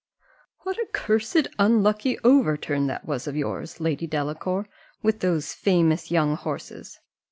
"What a cursed unlucky overturn that was of yours, Lady Delacour, with those famous young horses!